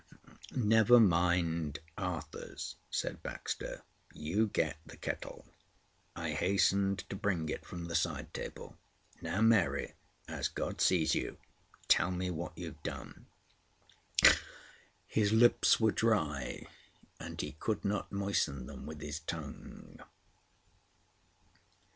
"Never mind Arthurs," said Baxter. "You get the kettle." I hastened to bring it from the side table. "Now, Mary, as God sees you, tell me what you've done." His lips were dry, and he could not moisten. them with his tongue.